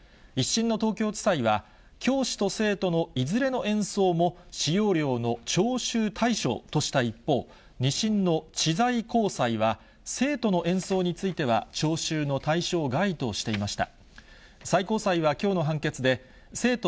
１しんの東京地裁は、教師と生徒のいずれの演奏も、使用料の徴収対象とした一方、２審の知財高裁は、生徒の演奏については徴収の対象外としていました。